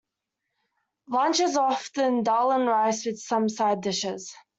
Lunch is often dal and rice with some side dishes.